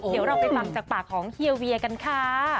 เดี๋ยวเราไปฟังจากปากของเฮียเวียกันค่ะ